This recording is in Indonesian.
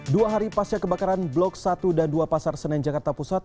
dua hari pasca kebakaran blok satu dan dua pasar senen jakarta pusat